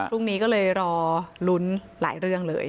พรุ่งนี้ก็เลยรอลุ้นหลายเรื่องเลย